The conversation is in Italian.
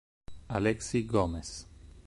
Alexi Gómez